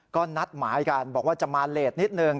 ก็นัดหมายกันบอกว่าจะมาเลสนิดนึง